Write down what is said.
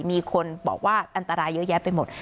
มีคนบอกว่าอันตรายเยอะแยะไปหมด